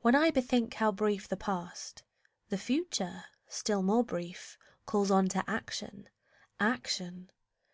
When I bethink How brief the past, the future, still more brief Calls on to action, action!